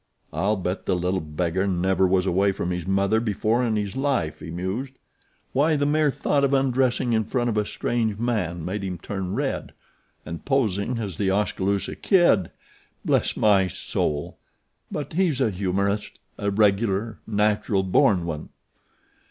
"I'll bet the little beggar never was away from his mother before in his life," he mused; "why the mere thought of undressing in front of a strange man made him turn red and posing as The Oskaloosa Kid! Bless my soul; but he's a humorist a regular, natural born one."